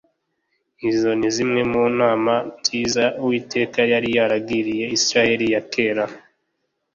Izo ni zimwe mu nama nziza Uwiteka yari yaragiriye Isirayeli ya kera